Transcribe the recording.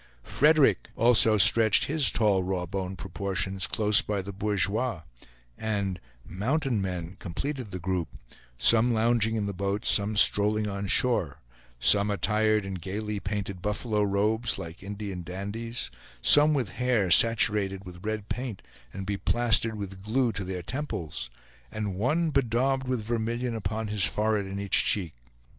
"Frederic" also stretched his tall rawboned proportions close by the bourgeois, and "mountain men" completed the group; some lounging in the boats, some strolling on shore; some attired in gayly painted buffalo robes, like Indian dandies; some with hair saturated with red paint, and beplastered with glue to their temples; and one bedaubed with vermilion upon his forehead and each cheek.